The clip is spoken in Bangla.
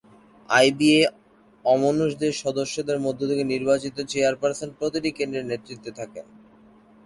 আইবিএ অনুষদের সদস্যদের মধ্য থেকে নির্বাচিত চেয়ারপারসন প্রতিটি কেন্দ্রের নেতৃত্বে থাকেন।